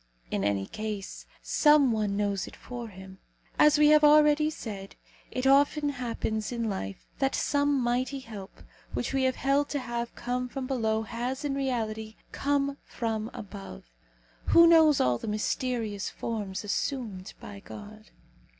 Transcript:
In any case, some one knows it for him. As we have already said, it often happens in life that some mighty help which we have held to have come from below has, in reality, come from above. Who knows all the mysterious forms assumed by God?